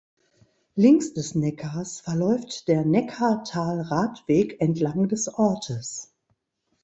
Links des Neckars verläuft der Neckartal-Radweg entlang des Ortes.